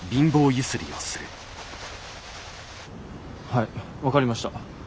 はい分かりました。